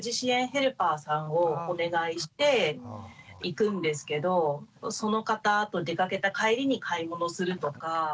ヘルパーさんをお願いして行くんですけどその方と出かけた帰りに買い物するとか。